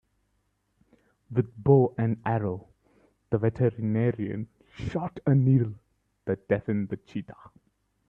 With bow and arrow the veterinarian shot a needle that deafened the cheetah.